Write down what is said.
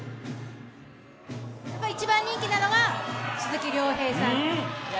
一番人気なのが、鈴木亮平さん。